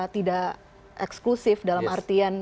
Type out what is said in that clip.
tidak eksklusif dalam artian